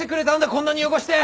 こんなに汚して！